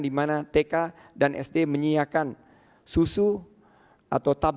di mana tk dan sd menyiapkan susu atau tab